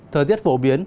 thời tiết phổ biến